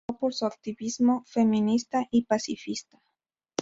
Destacó por su activismo feminista y pacifista.